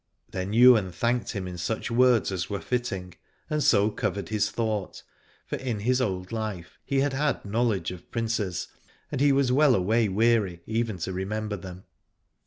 Then Ywain thanked him in such words as were fitting, and so covered his thought : for in his old life he had had knowledge of princes and he was well a way weary even to remember 95 Aladore them.